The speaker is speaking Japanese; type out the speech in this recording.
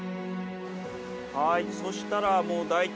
はい。